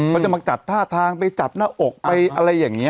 เขาจะมาจัดท่าทางไปจับหน้าอกไปอะไรอย่างนี้